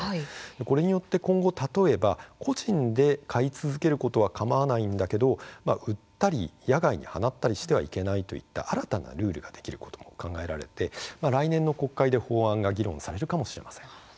これによって今後例えば個人で飼い続けることはかまわないんだけれども売ったり野外に放ったりしてはいけないといった新たなルールができることも考えられて来年の国会で法案が議論されるかもしれません。